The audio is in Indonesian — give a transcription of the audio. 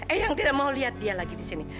eyang tidak mau liat dia lagi di sini